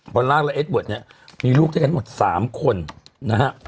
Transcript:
อลล่าและเอสเบิร์ตเนี่ยมีลูกด้วยกันหมด๓คนนะฮะ